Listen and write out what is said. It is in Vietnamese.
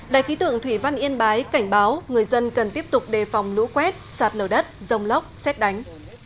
đài khí tượng thủy văn yên bái cảnh báo người dân cần tiếp tục đề phòng lũ quét sạt lở đất rông lốc xét đánh